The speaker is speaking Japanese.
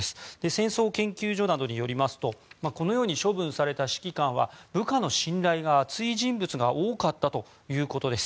戦争研究所などによりますとこのように処分された指揮官は部下の信頼が厚い人物が多かったということです。